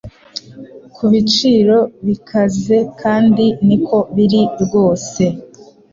kubiciro bikazekandi niko biri rwose